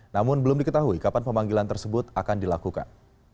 namun belum diketahui kapan pemanggilan tersebut akan dilakukan